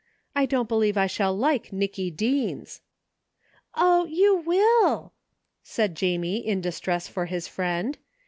" I don't believe I shall like Nicky Deens." "Oh, you will," said Jamie in distress for his friend.